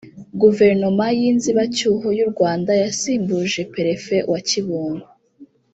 Guverinoma y’inzibacyuho y’u Rwanda yasimbuje Perefe wa Kibungo